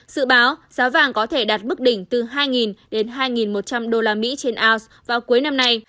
dự báo giá vàng có thể đạt mức đỉnh từ hai đến hai một trăm linh đô la mỹ trên aus vào cuối năm nay